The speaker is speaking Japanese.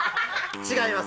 違います。